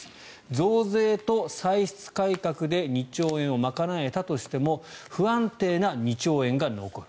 増税と歳出改革で２兆円を賄えたとしても不安定な２兆円が残る。